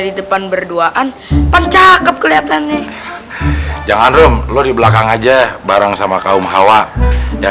di depan berduaan pancak ke kelihatannya jangan rum lo di belakang aja bareng sama kaum hawa yang